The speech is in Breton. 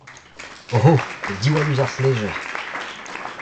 Oc'ho ! Diwall ouzh ar stlejer !